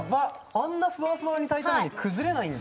あんなふわふわに炊いたのに崩れないんだ。